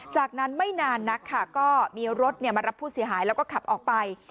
จากนั้นไม่นานนักค่ะก็มีรถมารับผู้เสียหายแล้วก็ขับออกไป